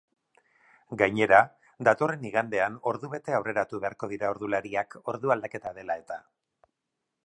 Gainera, datorren igandean ordubete aurreratu beharko dira ordulariak ordu aldaketa dela eta.